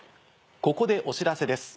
ここでお知らせです